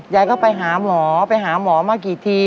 ยายก็ไปหาหมอไปหาหมอมากี่ที